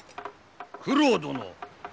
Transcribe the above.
九郎殿